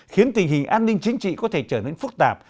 khiến tình hình an ninh chính trị có thể trở nên phức tạp